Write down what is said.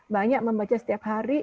banyak membaca setiap hari